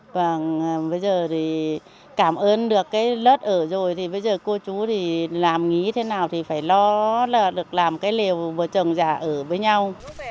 và bây giờ thì cảm ơn được cái đất ở rồi thì bây giờ cô chú thì làm nghĩ thế nào thì phải lo là được làm cái liều vừa trồng giả ở với nhau